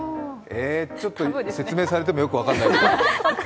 ちょっと説明されてもよく分からない。